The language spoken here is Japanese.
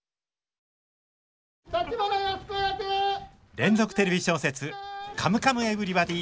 連続テレビ小説「カムカムエヴリバディ」！